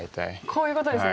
こういうことですね。